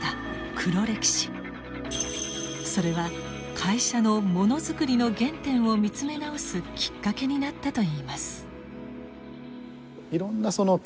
それは会社のものづくりの原点を見つめ直すきっかけになったといいます。